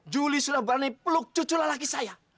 juli sudah berani peluk cucu lelaki saya